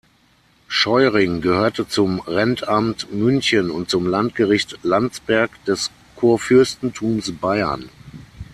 Scheuring gehörte zum Rentamt München und zum Landgericht Landsberg des Kurfürstentums Bayern.